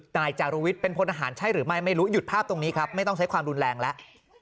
นายจารุวิทย์เป็นพลทหารใช่หรือไม่ไม่รู้หยุดภาพตรงนี้ครับไม่ต้องใช้ความรุนแรงแล้ว